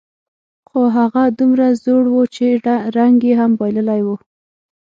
خو هغه دومره زوړ و، چې رنګ یې هم بایللی و.